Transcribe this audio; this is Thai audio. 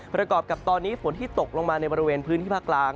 ประกอบกับตอนนี้ฝนที่ตกลงมาในบริเวณพื้นที่ภาคกลาง